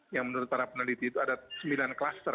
yang menurut para peneliti itu ada sembilan kluster